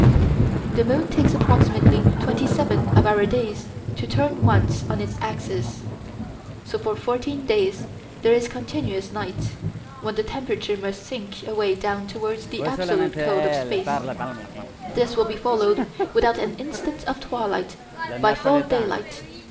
The moon takes approximately twenty seven of our days to turn once on its axis. So for fourteen days there is continuous night, when the temperature must sink away down towards the absolute cold of space. This will be followed without an instant of twilight by full daylight.